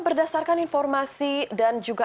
berdasarkan informasi dan juga